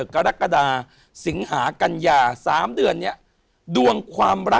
กรกฎาสิ่งหากัญญา